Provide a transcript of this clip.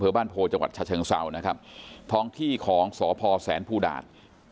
บ้านโพจังหวัดฉะเชิงเศร้านะครับท้องที่ของสพแสนภูดาต